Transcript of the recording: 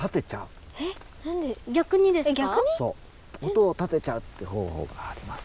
音を立てちゃうって方法があります。